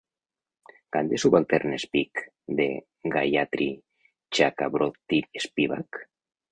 Can the Subaltern Speak? de Gayatri Chakravorty Spivak.